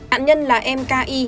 ản nhân là em k y